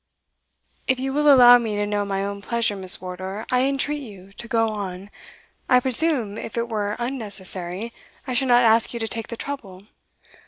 "If you will allow me to know my own pleasure, Miss Wardour, I entreat you to go on I presume, if it were unnecessary, I should not ask you to take the trouble."